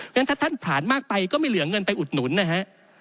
งั้นถ้าท่านผลาญมากไปก็ไม่เหลือเงินไปอุดหนุนนะฮะ